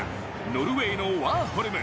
ノルウェーのワーホルム。